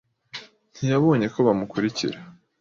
ntiyabonye ko bamukurikira.